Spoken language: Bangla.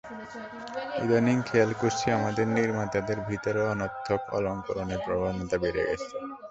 ইদানীং খেয়াল করছি, আমাদের নির্মাতাদের ভেতরে অনর্থক অলংকরণের প্রবণতা বেড়ে গেছে।